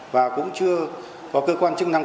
và cũng chưa có cơ quan chức năng